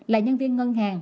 là nhân viên ngân hàng